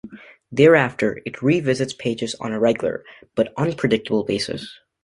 Thereafter it revisits pages on a regular, but unpredictable basis.